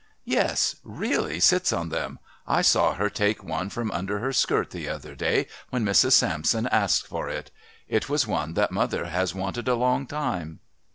"Yes really sits on them. I saw her take one from under her skirt the other day when Mrs. Sampson asked for it. It was one that mother has wanted a long time."